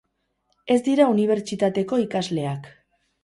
Ez dira unibertsitateko ikasleak.